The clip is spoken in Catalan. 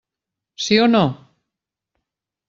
Sí o no?